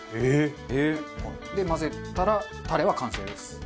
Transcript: で混ぜたらタレは完成です。